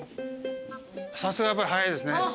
さすが早いですね。